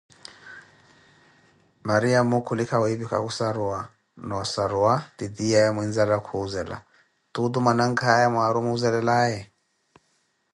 Muinzala khunlika wiphika khussaruwa, noo ossaruwa titiyawe muinzala khuzela tuutu manankhaya Mwari omuzeelelaye?